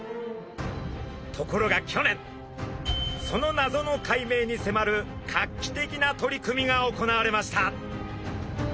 ところが去年その謎の解明に迫る画期的な取り組みが行われました。